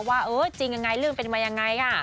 ว่าจริงยังไงลืมเป็นมายังไง